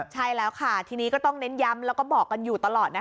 ใช่แล้วค่ะทีนี้ก็ต้องเน้นย้ำแล้วก็บอกกันอยู่ตลอดนะคะ